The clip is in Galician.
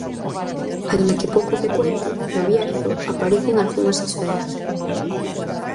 Aínda que pouco frecuente, no Bierzo aparecen algunhas esferas.